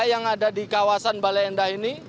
yang ada di kawasan balenda ini